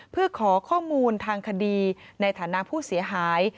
เพื่อขอข้อมูลทางคดีในฐานะผู้เสียหาย